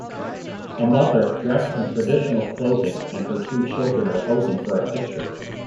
A mother, dressed in traditional clothing, and her two children are posing for a picture.